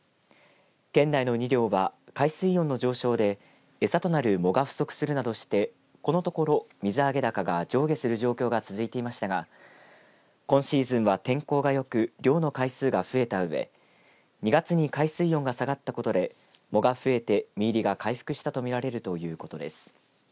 県内のうに漁は海水温の上昇で餌となる藻が不足するなどして、このところ水揚げ高が上下する状況が続いていましたが今シーズンは天候がよく漁の回数が増えたうえ２月に海水温が下がったことで藻が増えて身入りが回復したと見られるということです。